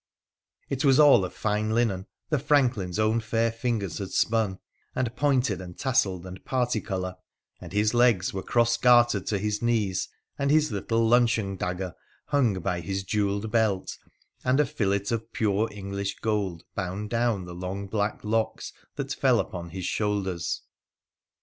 It was all of fine linen the franklin's own fair lingers had spun, and pointed and tasselled and particolour, and his legs were cross gartered to his knees, and his little luncheon dagger hung by his jewelled belt, and a fillet of pure English gold bound down the long black locks that fell upon his shoulders.